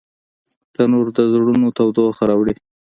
تنور د زړونو تودوخه راوړي